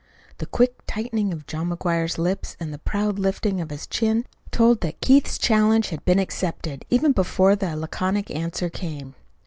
The quick tightening of John McGuire's lips and the proud lifting of his chin told that Keith's challenge had been accepted even before the laconic answer came.